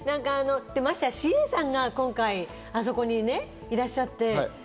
ＣＡさんが今回はあそこにいらっしゃって。